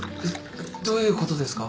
どういうことですか？